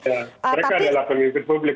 ya mereka adalah pengikut publik